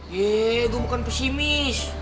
yee gue bukan pesimis